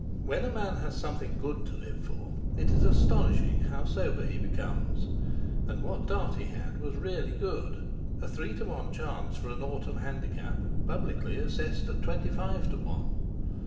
When a man has some thing good to live for it is astonishing how sober he becomes; and what Dartie had was really good—a three to one chance for an autumn handicap, publicly assessed at twenty five to one.